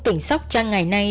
tỉnh sóc trang ngày nay